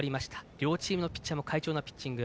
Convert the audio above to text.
両チームのピッチャーの快調なピッチング。